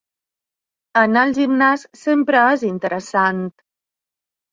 Anar al gimnàs sempre és interessant.